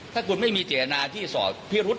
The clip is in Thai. ถ้าคุณไม่มีเจตนาที่สอดพิรุษ